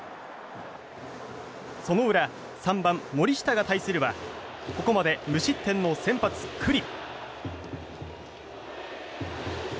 その裏、３番、森下が対するはここまで無失点の先発、九里。